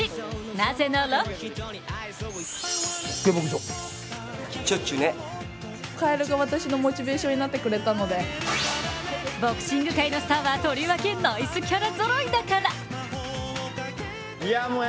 なぜならボクシング界のスターはとりわけナイスキャラぞろいだから。